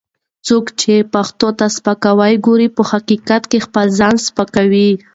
څوک چې پښتو ته سپک ګوري، په حقیقت کې خپل ځان سپکوي